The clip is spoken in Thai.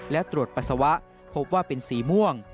และตรวจปัสสาวะพบว่าเป็นสีม่วง